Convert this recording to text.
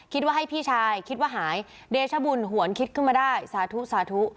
คิดว่าให้พี่ชายคิดว่าหายเดชบุญหวนคิดขึ้นมาได้สาธุสาธุ